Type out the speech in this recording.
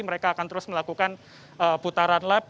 mereka akan terus melakukan putaran lab